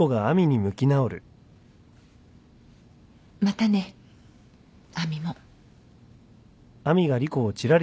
またね亜美も。